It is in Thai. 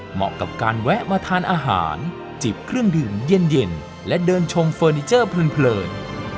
เหมาะกับการแวะมาทานอาหารจีบเครื่องดื่มเย็นและเดินชงเฟอร์นิเจอร์เพลิน